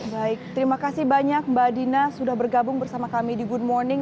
baik terima kasih banyak mbak dina sudah bergabung bersama kami di good morning